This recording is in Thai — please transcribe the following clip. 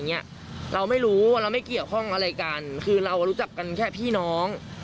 เราไม่รู้ว่าเราไม่เกี่ยวข้องอะไรกันคือเรารู้จักกันแค่พี่น้อง